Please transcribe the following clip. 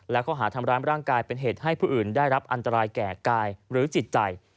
และข้อหาทำร้ายร่างกายเป็นเหตุให้ผู้อื่นได้รับอันตรายแก่กายหรือจิตใจ